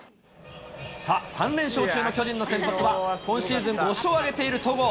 さあ、３連勝中の巨人の先発は、今シーズン５勝を挙げている戸郷。